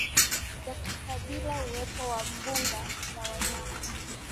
za kikabila Uwepo wa mbuga za wanyama